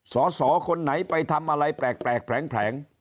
สอสอคนไหนไปทำอะไรแปลกแผลง